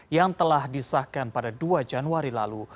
yang telah disahkan pada dua januari lalu